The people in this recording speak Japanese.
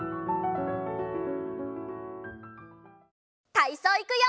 たいそういくよ！